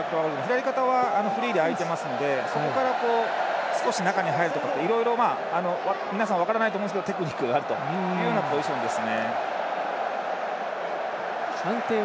フリーであいてますのでそこから中に入るところなどいろいろ、皆さん、分からないと思うんですけれどもテクニックがあるというポジションです。